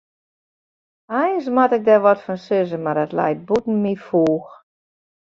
Eins moat ik der wat fan sizze, mar it leit bûten myn foech.